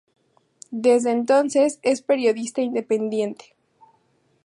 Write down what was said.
Desde entonces es periodista independiente.